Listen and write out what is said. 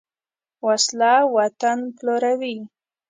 وسله وطن پلوروي